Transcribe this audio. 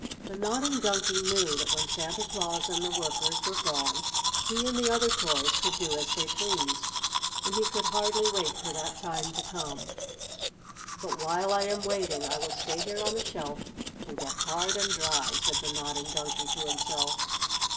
The Nodding Donkey knew that when Santa Claus and the workers were gone he and the other toys could do as they pleased, and he could hardly wait for that time to come. "But while I am waiting I will stay here on the shelf and get hard and dry," said the Nodding Donkey to himself.